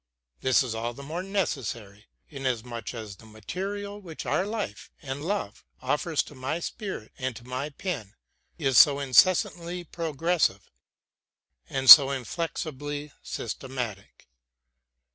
This is all the more necessary, inasmuch as the material which our life and love offers to my spirit and to my pen is so incessantly progressive and so inflexibly systematic.